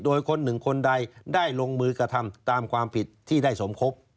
โดยคนหนึ่งคนใดได้ลงมือกระทำตามความผิดที่ได้สมคบ